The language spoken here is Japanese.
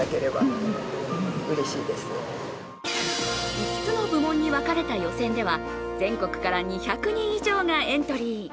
５つの部門に分かれた予選では、全国から２００人以上がエントリー。